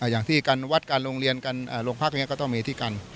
อย่างที่การวัดกันโรงเรียนกันโรงพักก็ต้องมีที่กัน